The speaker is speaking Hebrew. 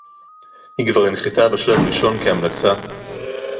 היא כבר הנחתה, בשלב ראשון כהמלצה